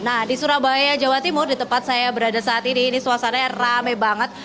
nah di surabaya jawa timur di tempat saya berada saat ini ini suasananya rame banget